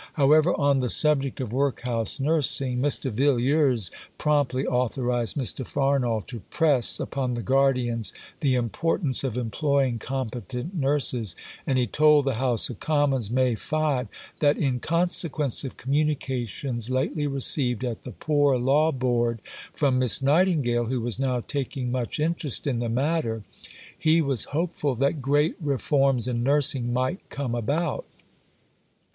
However, on the subject of workhouse nursing, Mr. Villiers promptly authorized Mr. Farnall to press upon the Guardians the importance of employing competent nurses, and he told the House of Commons (May 5) that "in consequence of communications lately received at the Poor Law Board from Miss Nightingale, who was now taking much interest in the matter," he was hopeful that great reforms in nursing might come about.